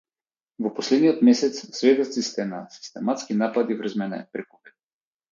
Во последниот месец сведоци сте на систематски напади врз мене преку веб.